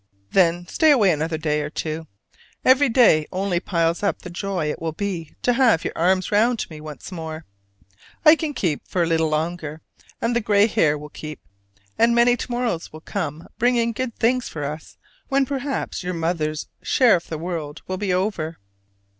Then stay away another day or two: every day only piles up the joy it will be to have your arms round me once more. I can keep for a little longer: and the gray hair will keep, and many to morrows will come bringing good things for us, when perhaps your mother's "share of the world" will be over.